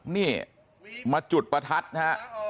นี่มาจุดประทัดนะฮะ